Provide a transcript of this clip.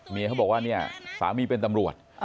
เขาบอกว่าเนี่ยสามีเป็นตำรวจ